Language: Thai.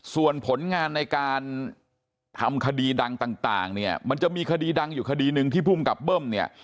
ส่วนผลงานในการทำคดีดังต่างเนี่ยมันจะมีคดีดังอยู่คดีหนึ่งที่ภูมิกับเบิ้มเนี่ย